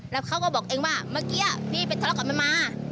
แล้วเขาก็บอกเองว่าเมื่อกี้พี่ไปทะเลาะกับมันมา